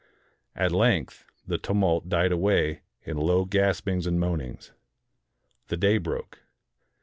At length the tumult died away in low gaspings and moanings. The day broke.